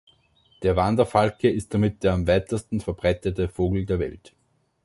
Der Wanderfalke ist damit der am weitesten verbreitete Vogel der Welt.